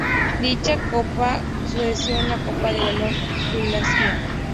Dicha copa sucedió a la Copa de balonmano Yugoslavia.